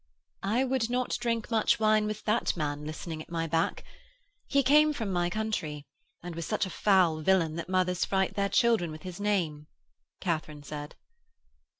'I would not drink much wine with that man listening at my back. He came from my country, and was such a foul villain that mothers fright their children with his name,' Katharine said.